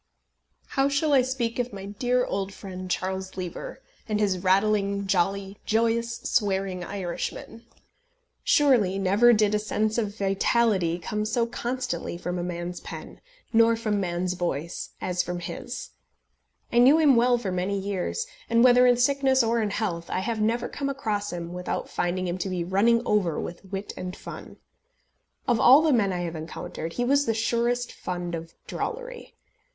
How shall I speak of my dear old friend Charles Lever, and his rattling, jolly, joyous, swearing Irishmen. Surely never did a sense of vitality come so constantly from a man's pen, nor from man's voice, as from his! I knew him well for many years, and whether in sickness or in health, I have never come across him without finding him to be running over with wit and fun. Of all the men I have encountered, he was the surest fund of drollery.